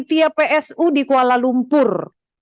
berapa orang jumlah petugas yang dibawa untuk menjadi pimpinan